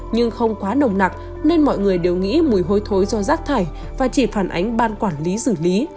nhưng không quá nồng nặc nên mọi người đều nghĩ mùi hôi thối do rác thải và chỉ phản ánh ban quản lý xử lý